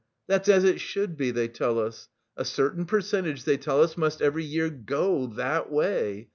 That's as it should be, they tell us. A certain percentage, they tell us, must every year go... that way...